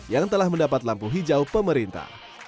yang telah mendapat lampu hijau pemerintah